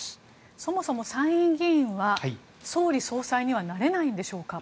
そもそも参議院議員は総理・総裁にはなれないんでしょうか？